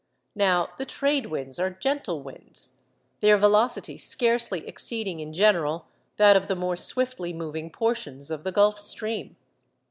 Now the trade winds are gentle winds, their velocity scarcely exceeding in general that of the more swiftly moving portions of the Gulf Stream.